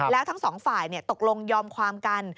แล้วทั้งสองฝ่ายตกลงยอมความกัน